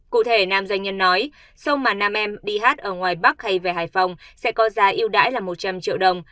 cụ thể nam doanh nhân nói sâu mà nam em đi hát ở ngoài bắc hay về hải phòng sẽ có giá yêu đãi là một trăm linh triệu đồng